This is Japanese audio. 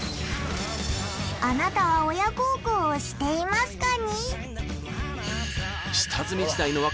あなたは親孝行をしていますかに？